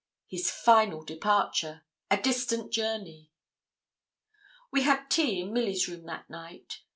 His final departure! a distant journey! We had tea in Milly's room that night.